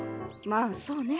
まあそうね。